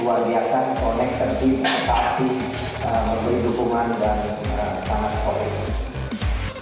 ini luar biasa koneksin kreatif memberi dukungan dan sangat korektif